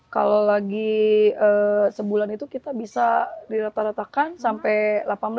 kalau lagi sebulan itu kita bisa dirata ratakan sampai rp delapan belas dua puluh juta